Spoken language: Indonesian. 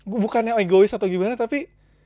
gue bukan yang egois atau gimana tapi